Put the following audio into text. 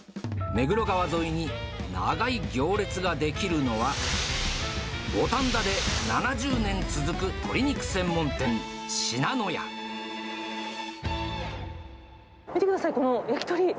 目黒川沿いに長い行列が出来るのは、五反田で７０年続く鶏肉専門店、見てください、この焼き鳥。